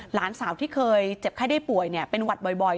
หลานสาวที่เคยเจ็บไข้ได้ป่วยเป็นหวัดบ่อย